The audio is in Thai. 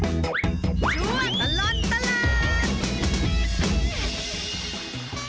ช่วงตลอดตลอด